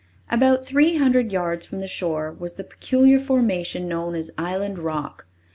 About three hundred yards from the shore was the peculiar formation known as Island Rock.